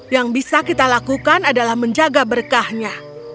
yang bisa kita lakukan adalah menjaga berkahnya